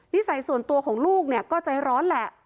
นิสัยส่วนตัวของลูกก็ใจร้อนแหละ